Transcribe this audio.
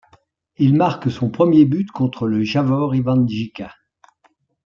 Il marque son premier but contre le Javor Ivanjica.